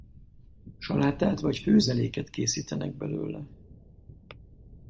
Salátát vagy főzeléket készítenek belőle.